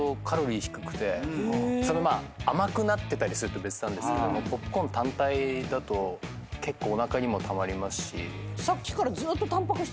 まあ甘くなってたりすると別なんですけどポップコーン単体だと結構おなかにもたまりますし。